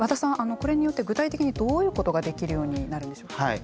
これによって具体的にどういうことができるようになるんでしょうか。